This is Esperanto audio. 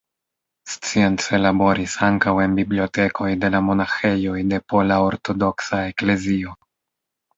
Science laboris ankaŭ en bibliotekoj de la monaĥejoj de Pola Ortodoksa Eklezio.